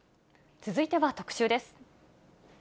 続いては特集です。